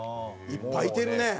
いっぱいいてるね！